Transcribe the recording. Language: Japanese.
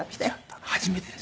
初めてです。